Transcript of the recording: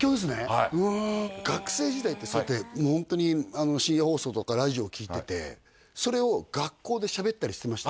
はい学生時代ってそうやってホントに深夜放送とかラジオ聴いててそれを学校でしゃべったりしてました？